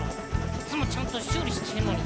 いっつもちゃんとしゅうりしてるのに。